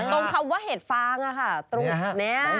ตรงคำว่าเห็ดฟางอะค่ะตรงนี้